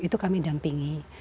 itu kami dampingi